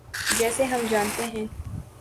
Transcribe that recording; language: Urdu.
جیسے ہم جانتے ہیں۔